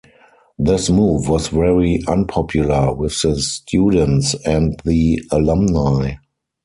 This move was very unpopular with the students and the alumni.